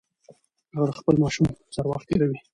هغه د خپل ماشوم سره وخت تیروي.